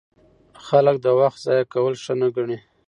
خلک د وخت ضایع کول ښه نه ګڼي.